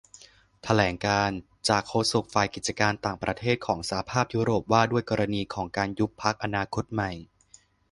แถลงการจากโฆษกฝ่ายกิจการต่างประเทศของสหภาพยุโรปว่าด้วยกรณีของการ ยุบพรรคอนาคตใหม่